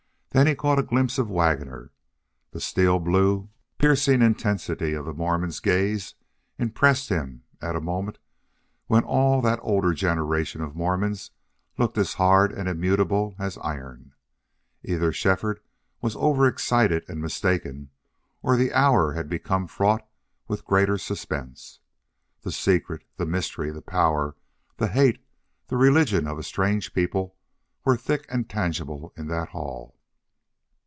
Then he caught a glimpse of Waggoner. The steel blue, piercing intensity of the Mormon's gaze impressed him at a moment when all that older generation of Mormons looked as hard and immutable as iron. Either Shefford was over excited and mistaken or the hour had become fraught with greater suspense. The secret, the mystery, the power, the hate, the religion of a strange people were thick and tangible in that hall.